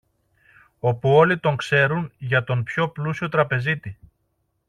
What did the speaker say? όπου όλοι τον ξέρουν για τον πιο πλούσιο τραπεζίτη.